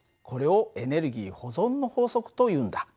これをエネルギー保存の法則というんだ。